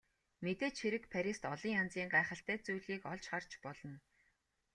Мэдээж хэрэг Парист олон янзын гайхалтай зүйлийг олж харж болно.